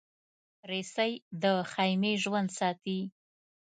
رسۍ د خېمې ژوند ساتي.